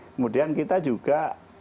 kemudian kita juga